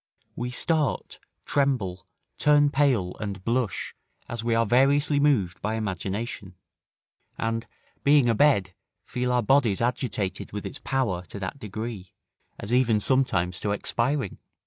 We start, tremble, turn pale, and blush, as we are variously moved by imagination; and, being a bed, feel our bodies agitated with its power to that degree, as even sometimes to expiring.